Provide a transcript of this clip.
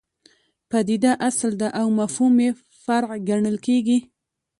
پدیده اصل ده او مفهوم یې فرع ګڼل کېږي.